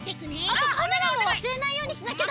あとカメラもわすれないようにしなきゃだ！